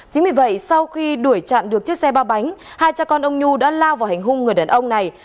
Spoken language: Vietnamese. chính vì vậy sau khi đuổi chặn được chiếc xe ba bánh hai cha con ông nhu đã lao vào hành hung người đàn ông này